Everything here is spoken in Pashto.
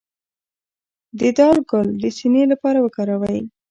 د دال ګل د سینې لپاره وکاروئ